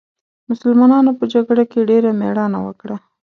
مسلمانانو په جګړه کې ډېره مېړانه وکړه.